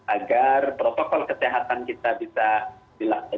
agar protokol kesehatan kita bisa dilaksanakan